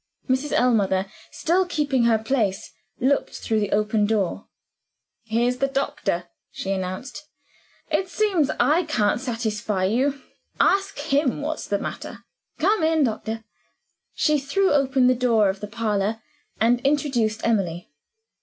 Mrs. Ellmother, still keeping her place, looked through the open door. "Here's the doctor," she announced. "It seems I can't satisfy you; ask him what's the matter. Come in, doctor." She threw open the door of the parlor, and introduced Emily.